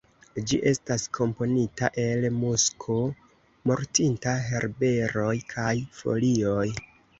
Ĝi estas komponita el musko, mortinta herberoj kaj folioj.